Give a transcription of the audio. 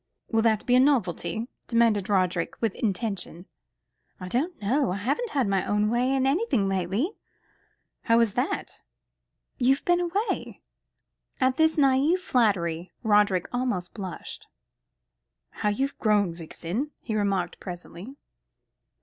"Will that be a novelty?" demanded Roderick, with intention. "I don't know. I haven't had my own way in anything lately." "How is that?" "You have been away." At this naïve flattery, Roderick almost blushed. "How you've grown. Vixen," he remarked presently.